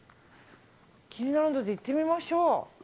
気になるので行ってみましょう。